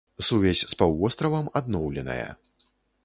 Сувязь з паўвостравам адноўленая.